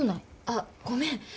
あっごめん。